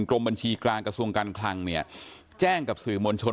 กรมบัญชีกลางกระทรวงการคลังเนี่ยแจ้งกับสื่อมวลชน